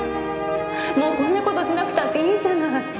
もうこんな事しなくたっていいじゃない。